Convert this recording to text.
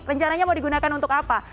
rencananya mau digunakan untuk apa